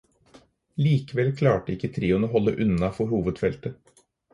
Likevel klarte ikke trioen å holde unna for hovedfeltet.